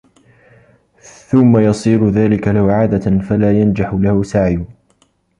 ثُمَّ يَصِيرُ ذَلِكَ لَهُ عَادَةً فَلَا يَنْجَحُ لَهُ سَعْيٌ